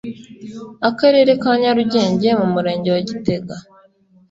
Akarere ka Nyarugenge mu Murenge wa gitega